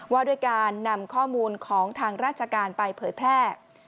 ว่าด้วยการนำข้อมูลของทางราชการไปเผยแพร่